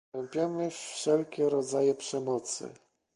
Potępiamy wszelkie rodzaje przemocy